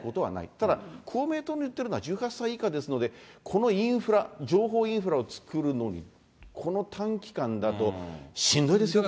ただ、公明党の言ってるのは１８歳以下ですので、このインフラ、情報インフラを作るのに、この短期間だとしんどいですよ、これ。